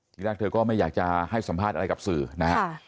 ทีแรกเธอก็ไม่อยากจะให้สัมภาษณ์อะไรกับสื่อนะฮะ